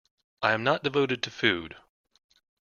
I am not devoted to food!